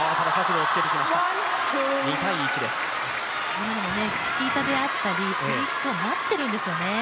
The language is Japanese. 今のもチキータであったり、フリックを待っているんですよね。